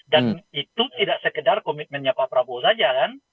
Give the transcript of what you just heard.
itu tidak sekedar komitmennya pak prabowo saja kan